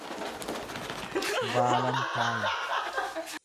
vaalantaayin